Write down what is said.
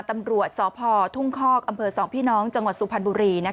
ตำรวจสพทุ่งคอกอำเภอ๒พี่น้องจังหวัดสุพรรณบุรี